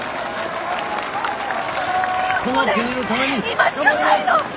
今しかないの！